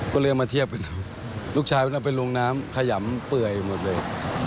ก็เลยเอามาเทียบกันดูลูกชายไม่ต้องไปลงน้ำขยำเปื่อยหมดเลย